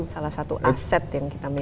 salah satu aset yang kita miliki